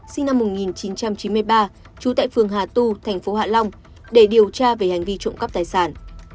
sinh năm một nghìn chín trăm chín mươi ba trú tại phường hà tu thành phố hạ long để điều tra về hành vi trộm cắp tài sản